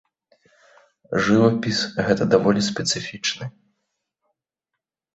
Жывапіс гэта даволі спецыфічны.